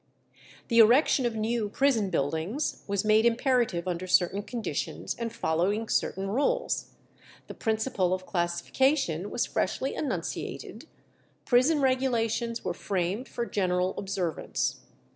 The erection of new prison buildings was made imperative under certain conditions and following certain rules; the principle of classification was freshly enunciated; prison regulations were framed for general observance.